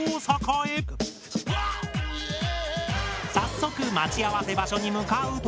早速待ち合わせ場所に向かうと。